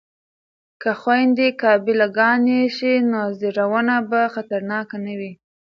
که خویندې قابله ګانې شي نو زیږون به خطرناک نه وي.